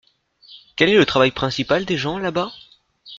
Quel est le travail principal des gens là-bas ?